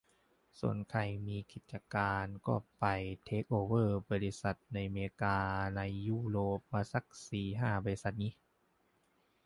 ส่วนใครมีกิจการก็ไปเทคโอเวอร์บริษัทในเมกาในยุโรปมาซักสี่ห้าบริษัทงี้